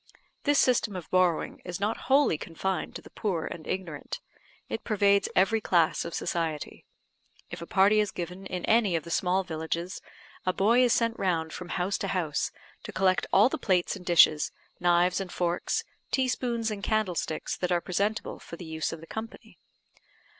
This system of borrowing is not wholly confined to the poor and ignorant; it pervades every class of society. If a party is given in any of the small villages, a boy is sent round from house to house, to collect all the plates and dishes, knives and forks, teaspoons and candlesticks, that are presentable, for the use of the company.